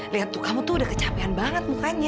lihat tuh kamu tuh udah kecapean banget mukanya